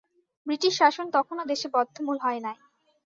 British শাসন তখনও দেশে বদ্ধমূল হয় নাই।